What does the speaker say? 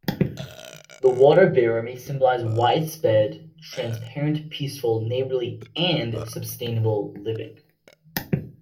The water-bearer may symbolize widespread transparent, peaceful, neighborly, and sustainable living.